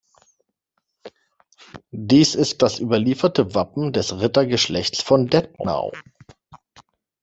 Dies ist das überlieferte Wappen des Rittergeschlechts von Dättnau.